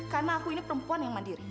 karena aku ini perempuan yang mandiri